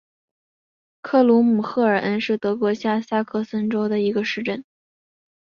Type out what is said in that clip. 克鲁姆赫尔恩是德国下萨克森州的一个市镇。